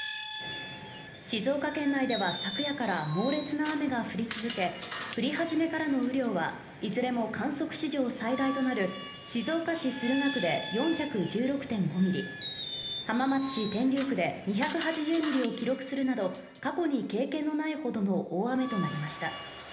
静岡県内では昨夜から猛烈な雨が降り続け降り始めからの雨量はいずれも観測史上最大となる静岡市駿河区で４１６．５ミリ浜松市天竜区で２８０ミリを記録するなど過去に経験のないほどの大雨となりました